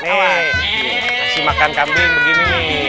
kasih makan kambing begini